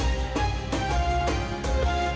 semoga hari ini berjalan baik